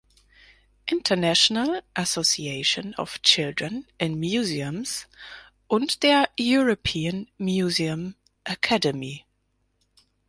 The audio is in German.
International Association of Children in Museums und der European Museum Academy.